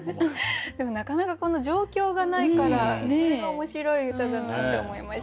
でもなかなかこの状況がないからそれが面白い歌だなって思いました。